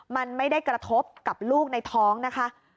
มันไม่ได้กระทบกับลูกในท้องนะคะ